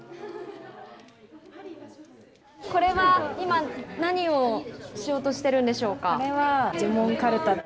これは今、何をしようとしてるんでしょうか。